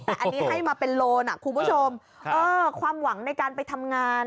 แต่อันนี้ให้มาเป็นโลน่ะคุณผู้ชมเออความหวังในการไปทำงาน